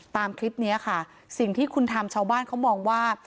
ตามคลิปนี้ค่ะสิ่งที่คุณทำชาวบ้านเขามองว่า